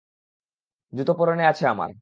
জুতো পরনে আছে আমার।